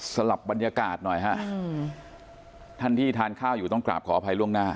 ลับบรรยากาศหน่อยฮะท่านที่ทานข้าวอยู่ต้องกราบขออภัยล่วงหน้า